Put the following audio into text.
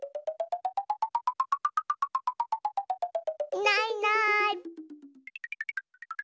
いないいない。